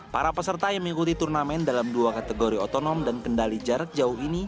para peserta yang mengikuti turnamen dalam dua kategori otonom dan kendali jarak jauh ini